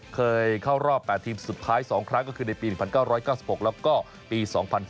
เคยเข้ารอบ๘ทีมสุดท้าย๒ครั้งก็คือในปี๑๙๙๖แล้วก็ปี๒๐๑๘